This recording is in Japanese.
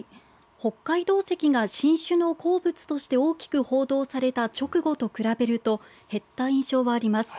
北海道石が新種の鉱物として大きく報道された直後と比べると減った印象はあります。